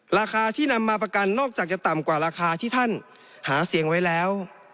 ราคาที่นำมาประกันนอกจากจะต่ำกว่าราคาที่ท่านหาเสียงไว้แล้ว